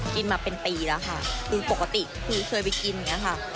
กินมาเป็นปีแล้วค่ะคือปกติคือเคยไปกินอย่างนี้ค่ะ